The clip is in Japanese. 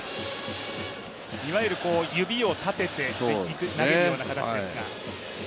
いわゆる指を立てて投げるような形ですが。